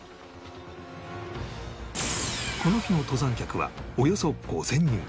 この日の登山客はおよそ５０００人